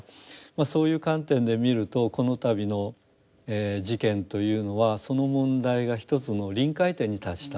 そういう観点で見るとこの度の事件というのはその問題が一つの臨界点に達したと。